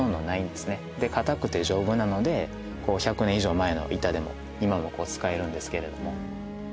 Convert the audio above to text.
でかたくて丈夫なので１００年以上前の板でも今も使えるんですけれども。